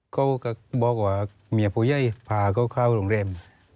ก็ก็บอกว่าเมียผู้เย่ยพาก็เข้าโรงเร็ม